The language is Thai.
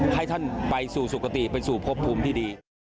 ให้ท่านไปสู่สุขติไปสู่พบภูมิที่ดี